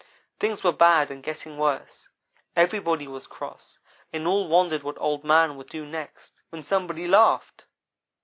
Things were bad and getting worse. Everybody was cross, and all wondered what Old man would do next, when somebody laughed.